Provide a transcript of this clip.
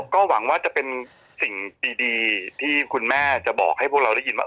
ก็หวังว่าจะเป็นสิ่งดีที่คุณแม่จะบอกให้พวกเราได้ยินว่า